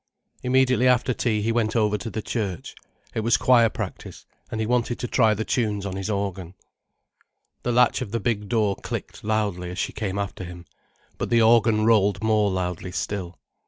Immediately after tea he went over to the church. It was choir practice, and he wanted to try the tunes on his organ. The latch of the big door clicked loudly as she came after him, but the organ rolled more loudly still.